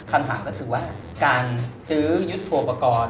คำถามก็คือว่าการซื้อยุดถั่วประกอด